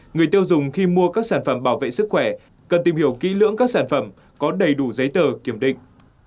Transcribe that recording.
người tiêu dùng khi mua các sản phẩm bảo vệ sức khỏe cần tìm hiểu kỹ lưỡng các sản phẩm có đầy đủ giấy tờ kiểm định